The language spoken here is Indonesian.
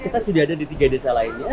kita sudah ada di tiga desa lainnya